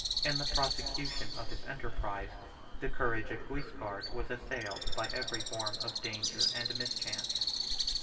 In the prosecution of his enterprise, the courage of Guiscard was assailed by every form of danger and mischance.